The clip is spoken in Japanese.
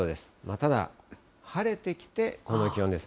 ただ、晴れてきてこの気温です。